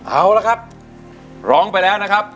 เอาละครับร้องไปแล้วนะครับ